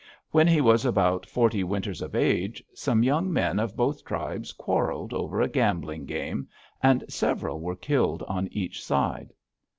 When he was about forty winters of age, some young men of both tribes quarreled over a gambling game and several were killed on each side.